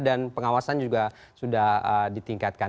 dan pengawasan juga sudah ditingkatkan